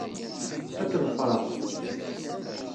Ad k-ḍefṛeɣ.